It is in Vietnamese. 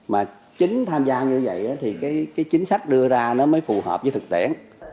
mà chính tham gia như vậy thì cái chính sách đưa ra nó mới phù hợp với thực tiễn